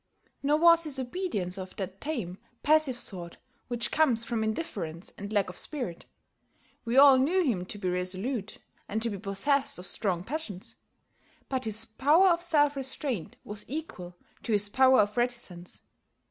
Nor was his obedience of that tame, passive sort which comes from indifference and lack of spirit. We all knew him to be resolute, and to be possessed of strong passions. But his power of self restraint was equal to his power of reticence.